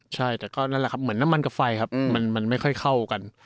ใช่แต่ก็นั่นแหละครับเหมือนน้ำมันกับไฟครับมันไม่ค่อยเข้ากัน